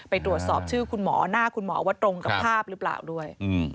ไปตรวจสอบชื่อคุณหมอหน้าคุณหมอว่าตรงกับภาพหรือเปล่าด้วย